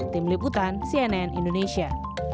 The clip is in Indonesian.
tim liputan cnn indonesia